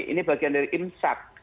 ini bagian dari imsak